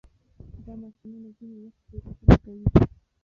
دا ماشینونه ځینې وخت تېروتنه کوي.